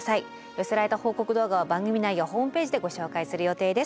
寄せられた報告動画は番組内やホームページでご紹介する予定です。